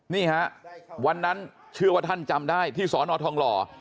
นี่ฮะวันนั้นเชื่อว่าท่านจำได้ที่สอนอทองหล่อ